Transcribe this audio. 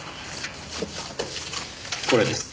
これです。